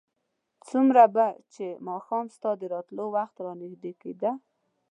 څومره به چې ماښام ستا د راتلو وخت رانږدې کېده.